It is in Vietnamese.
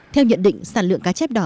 theo nhận định sản lượng cá chép đỏ